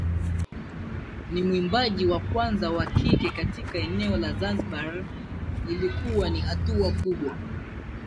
ni mwimbaji wa kwanza wa kike katika eneo la Zanzibar Ilikuwa ni hatua kubwa